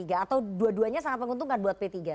atau dua duanya sangat menguntungkan buat p tiga